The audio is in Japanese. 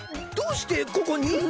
どどどうしてここに？